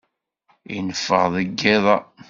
I neffeɣ deg yiḍ-a?